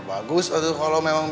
jadi kita bisa ketemu juga